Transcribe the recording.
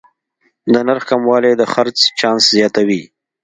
د نرخ کموالی د خرڅ چانس زیاتوي.